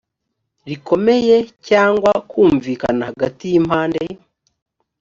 rikomeye cyangwa kumvikana hagati y impande